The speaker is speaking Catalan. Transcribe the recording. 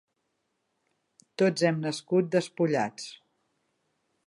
Tots hem nascut despullats.